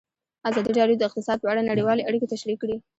ازادي راډیو د اقتصاد په اړه نړیوالې اړیکې تشریح کړي.